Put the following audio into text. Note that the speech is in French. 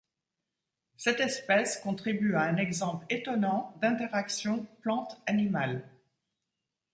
Cette espèce contribue à un exemple étonnant d'interaction plante-animal.